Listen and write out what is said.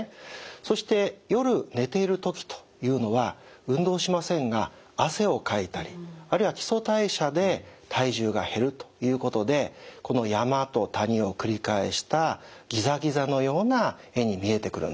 そして夜寝ている時というのは運動しませんが汗をかいたりあるいは基礎代謝で体重が減るということでこの山と谷を繰り返したギザギザのような絵に見えてくるんです。